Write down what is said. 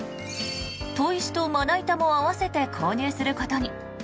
砥石とまな板も併せて購入することに。